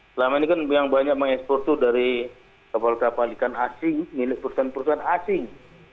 selama ini kan yang banyak mengekspor itu dari kapal kapal ikan asing milik perusahaan perusahaan asing